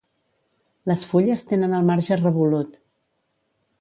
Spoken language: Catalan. Les fulles tenen el marge revolut.